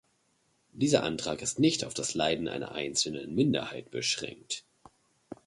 Dieser Antrag ist nicht auf das Leiden einer einzelnen Minderheit beschränkt.